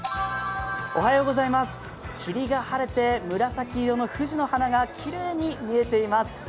霧が晴れて、紫色の藤の花がきれいに見えています。